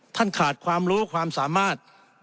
ขาดความรู้ความสามารถ